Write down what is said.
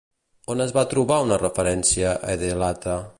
On es va trobar una referència a Edelate?